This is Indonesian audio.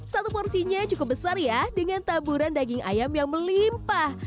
satu porsinya cukup besar ya dengan taburan daging ayam yang melimpah